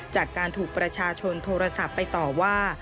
จากการถูกประชาชนโทรศัพท์ไปต่อว่า